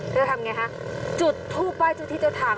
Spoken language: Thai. เพื่อทำอย่างไรฮะจุดทูปไว้จุดที่เจ้าทาง